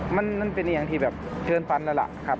มันเป็นอย่างที่แบบเชิญฟันแล้วล่ะครับ